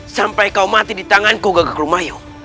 sampai kau mati di tanganku gagak lumayu